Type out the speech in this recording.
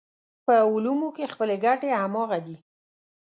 په علومو کې خپلې ګټې همغه دي.